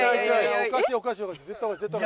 おかしいおかしい。